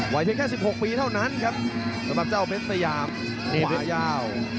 ไหวเท่าแค่๑๖ปีเท่านั้นครับสำหรับเจ้าเบสสยามขวายาว